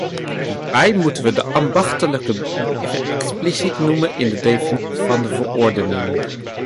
Daarbij moeten we de ambachtelijke bedrijven expliciet noemen in de definities in de verordening.